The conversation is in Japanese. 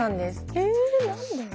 え何で？